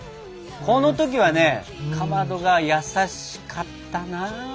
この時はねかまどが優しかったなあ！